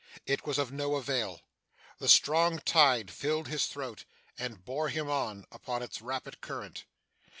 It was of no avail. The strong tide filled his throat, and bore him on, upon its rapid current.